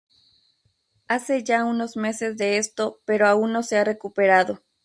Hace ya unos meses de esto pero aún no se ha recuperado.